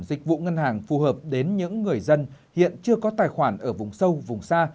dịch vụ ngân hàng phù hợp đến những người dân hiện chưa có tài khoản ở vùng sâu vùng xa